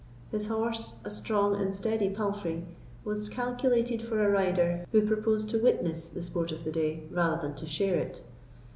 His horse, a strong and steady palfrey, was calculated for a rider who proposed to witness the sport of the day rather than to share it.